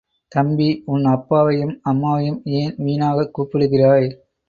தம்பி, உன் அப்பாவையும் அம்மாவையும் ஏன் வீணாகக் கூப்பிடுகிறாய்?